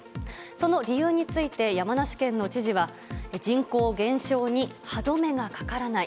その理由について山梨県の知事は人口減少に歯止めがかからない。